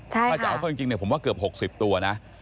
ถ้าเจาะก็จริงผมว่าเกือบ๖๐ตัวนะ